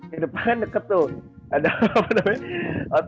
di depannya deket tuh ada apa namanya